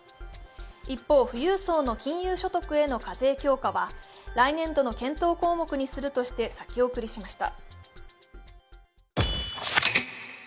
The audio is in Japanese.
一方、富裕層の金融所得への課税強化は来年度の検討項目にするとして先送りしました。